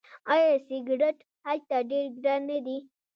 آیا سیګرټ هلته ډیر ګران نه دي؟